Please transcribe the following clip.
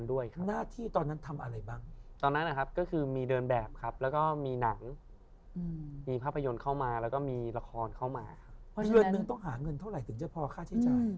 เดือนหนึ่งต้องหาเงินเท่าไรถึงจะพอค่าใช้จ่าย